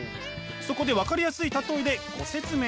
そこで分かりやすい例えでご説明。